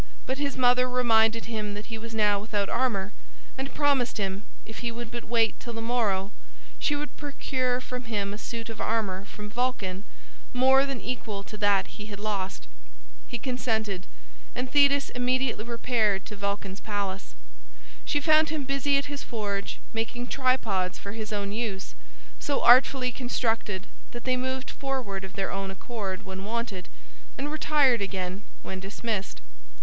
But his mother reminded him that he was now without armor, and promised him, if he would but wait till the morrow, she would procure for him a suit of armor from Vulcan more than equal to that he had lost. He consented, and Thetis immediately repaired to Vulcan's palace. She found him busy at his forge making tripods for his own use, so artfully constructed that they moved forward of their own accord when wanted, and retired again when dismissed.